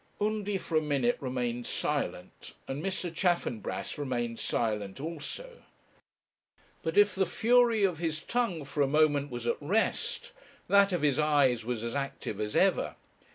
Undy for a minute remained silent, and Mr. Chaffanbrass remained silent also. But if the fury of his tongue for a moment was at rest, that of his eyes was as active as ever.